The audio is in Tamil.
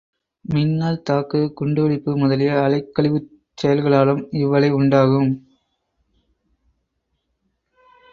மின்னல்தாக்கு, குண்டுவெடிப்பு முதலிய அலைக்கழிவுச் செயல்களாலும் இவ்வலை உண்டாகும்.